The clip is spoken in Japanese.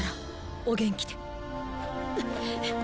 お元気で。